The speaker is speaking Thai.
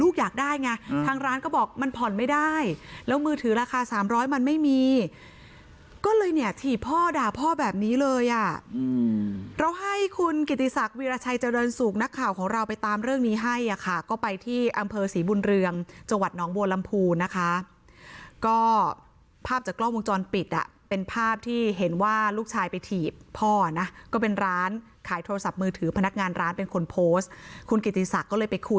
ก็เลยเนี้ยถีบพ่อด่าพ่อแบบนี้เลยอ่ะอืมเราให้คุณกิตตีศักดิ์วีรชัยเจ้าเดินสูงนักข่าวของเราไปตามเรื่องนี้ให้อ่ะค่ะก็ไปที่อำเภอสีบุญเรืองจังหวัดน้องบัวลำพูนะคะก็ภาพจากกล้องวงจรปิดอ่ะเป็นภาพที่เห็นว่าลูกชายไปถีบพ่อนะก็เป็นร้านขายโทรศัพท์มือถือพนักงานร้านเป็นคนโพสต์ค